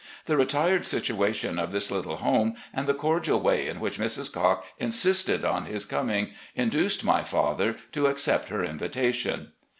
The retired situation of this little home, and the cordial way in which Mrs. Cocke insisted on his coming, induced my father to accept her invitation.